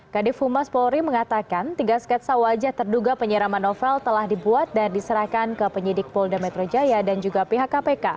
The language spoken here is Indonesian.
kadif humas polri mengatakan tiga sketsa wajah terduga penyiraman novel telah dibuat dan diserahkan ke penyidik polda metro jaya dan juga pihak kpk